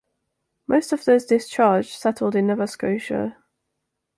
Most of those discharged settled in Nova Scotia.